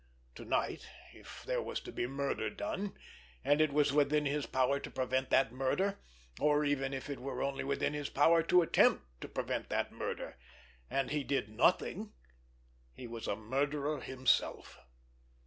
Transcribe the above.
To night, if there was to be murder done, and it was within his power to prevent that murder, or even if it were only within his power to attempt to prevent that murder—and he did nothing—he was a murderer himself.